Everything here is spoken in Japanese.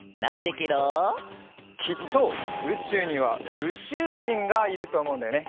きっとうちゅうにはうちゅうじんがいるとおもうんだよね。